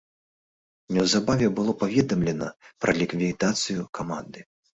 Неўзабаве было паведамлена пра ліквідацыю каманды.